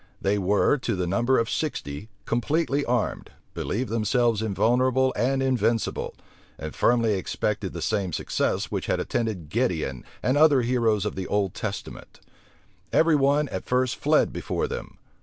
They were, to the number of sixty, completely armed, believed themselves invulnerable and invincible, and firmly expected the same success which had attended Gideon and other heroes of the Old Testament Every one at first fled before them.